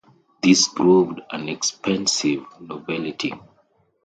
These proved an expensive novelty.